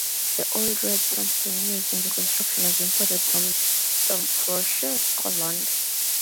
The Old Red Sandstone used in the construction was imported from Dumfriesshire, Scotland.